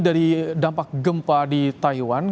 dari dampak gempa di taiwan